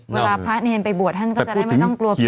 เวลาพระเนรไปบวชท่านก็จะได้ไม่ต้องกลัวผี